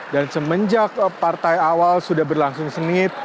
dan semenjak partai awal sudah berlangsung sengit